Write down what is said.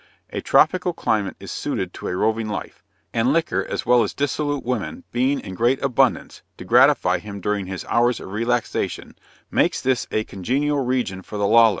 A tropical climate is suited to a roving life, and liquor as well as dissolute women being in great abundance, to gratify him during his hours of relaxation, makes this a congenial region for the lawless.